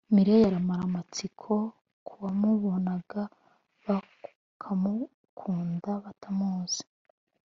Mireille aramara amatsiko kubamubonaga bakamukunda batamuzi